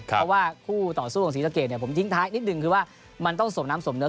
เพราะว่าคู่ต่อสู้ของศรีสะเกดเนี่ยผมทิ้งท้ายนิดนึงคือว่ามันต้องสมน้ำสมเนส